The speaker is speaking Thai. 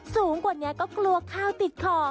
สูงกว่านี้ก็กลัวข้าวติดคอ